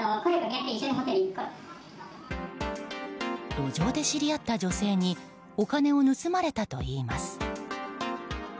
路上で知り合った女性にお金を盗まれたといいます。